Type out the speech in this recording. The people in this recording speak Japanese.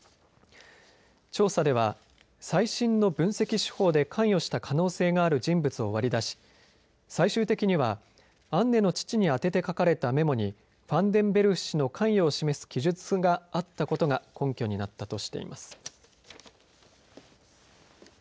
調査では最新の分析手法で関与した可能性がある人物を割り出し最終的にはアンネの父に宛てて書かれたメモにファンデンベルフ氏の関与を示す記述があったことが根拠になったとしています。